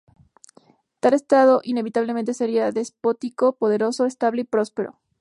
Tal estado inevitablemente sería despótico, poderoso, estable y próspero.